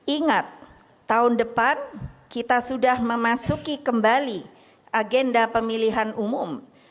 ingat tahun depan kita sudah memasuki kembali agenda pemilihan umum